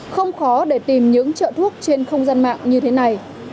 không khó để tìm những trợ thuốc trên không gian mạng như thế này